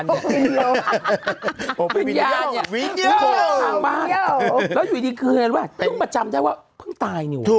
แล้วอยู่ดีกว่ามาจำได้ว่าเพิ่งตาย